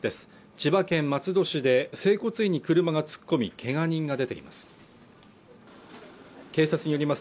千葉県松戸市で整骨院に車が突っ込みけが人が出てきます